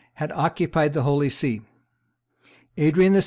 had occupied the Holy See. Adrian VI.